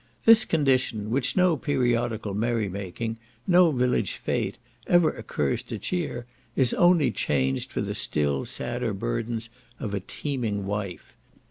This condition, which no periodical merry making, no village FÊTE, ever occurs to cheer, is only changed for the still sadder burdens of a teeming wife.